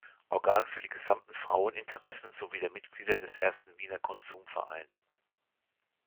Organ für die gesamten Frauen-Interessen sowie der Mitglieder des Ersten Wiener Consum-Verein".